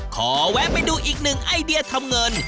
แวะไปดูอีกหนึ่งไอเดียทำเงิน